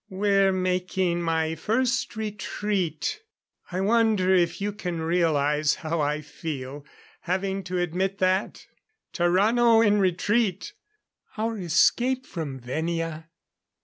"We're making my first retreat. I wonder if you can realize how I feel, having to admit that? Tarrano in retreat!... Our escape from Venia?